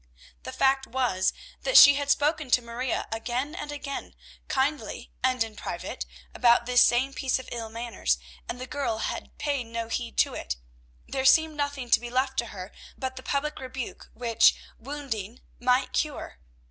The fact was, that she had spoken to Maria again and again, kindly and in private, about this same piece of ill manners, and the girl had paid no heed to it. There seemed nothing to be left to her but the public rebuke, which, wounding, might cure.